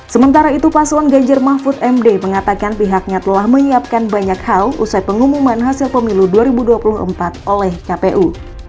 sementara itu paslon ganjar mahfud md mengatakan pihaknya telah menyiapkan banyak hal usai pengumuman hasil pemilu dua ribu dua puluh empat oleh kpu